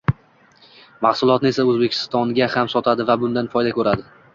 mahsulotini esa, O‘zbekistonga ham sotadi va bundan... foyda ko‘radi.